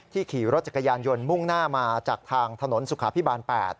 ขี่รถจักรยานยนต์มุ่งหน้ามาจากทางถนนสุขาพิบาล๘